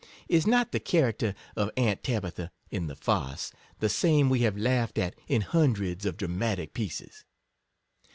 Is not the character of Aunt Tabitha, in the farce, the same we have laughed at in hundreds of dramatic pie ces?